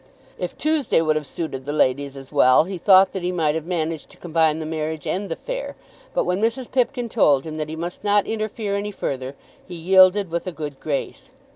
If Tuesday would have suited the ladies as well he thought that he might have managed to combine the marriage and the fair, but when Mrs. Pipkin told him that he must not interfere any further, he yielded with a good grace.